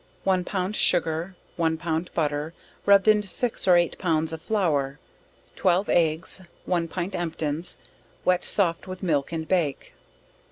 One pound sugar, one pound butter, rubbed into 6 or 8 pounds of flour, 12 eggs, one pint emptins, wet soft with milk, and bake.